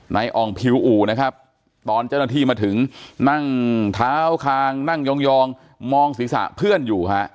อ่องผิวอู่นะครับตอนเจ้าหน้าที่มาถึงนั่งเท้าคางนั่งยองมองศีรษะเพื่อนอยู่ฮะ